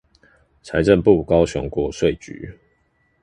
財政部高雄國稅局